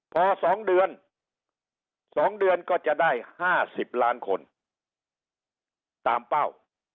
พอ๒เดือน๒เดือนก็จะได้๕๐ล้านคนตามเป้า